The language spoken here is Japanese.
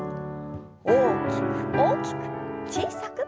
大きく大きく小さく。